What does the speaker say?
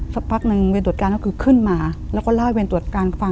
สักพักหนึ่งเวรตรวจการก็คือขึ้นมาแล้วก็เล่าให้เวรตรวจการฟัง